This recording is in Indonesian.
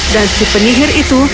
dan si penyihir itu